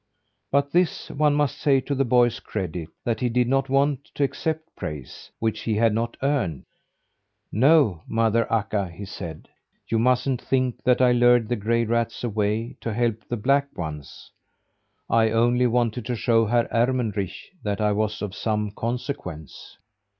But this one must say to the boy's credit: that he did not want to accept praise which he had not earned. "No, mother Akka," he said, "you mustn't think that I lured the gray rats away to help the black ones. I only wanted to show Herr Ermenrich that I was of some consequence."